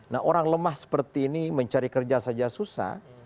nah orang lemah seperti ini mencari kerja saja susah